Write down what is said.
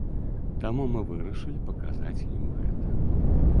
Таму мы вырашылі паказаць ім гэта.